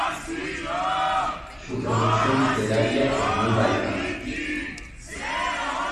Su producción literaria es muy variada.